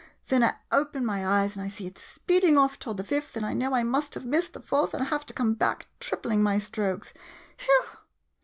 Then I open my eyes and see it speeding off toward the fifth, and I know I must have missed the fourth and have to come back, tripling my strokes. Whew